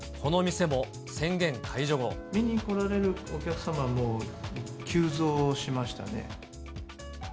見に来られるお客様も急増しましたね。